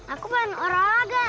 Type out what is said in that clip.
aku main oralaga